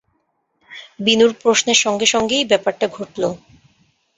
বিনুর প্রশ্নের সঙ্গে-সঙ্গেই ব্যাপারটা ঘটল।